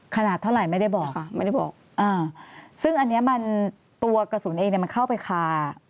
ขนาดเท่าไหร่ไม่ได้บอกค่ะไม่ได้บอกอ่าซึ่งอันเนี้ยมันตัวกระสุนเองเนี่ยมันเข้าไปคา